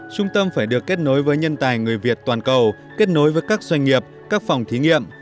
trung tâm phải được kết nối với nhân tài người việt toàn cầu kết nối với các doanh nghiệp các phòng thí nghiệm